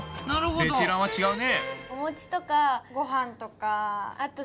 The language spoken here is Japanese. ベテランは違うね。